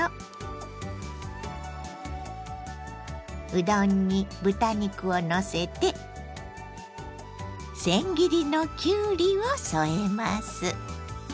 うどんに豚肉をのせてせん切りのきゅうりを添えます。